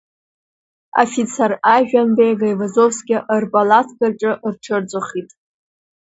Афицар Ажәанбеи гаивазовскии рпалаткаҿы рҽырҵәахит.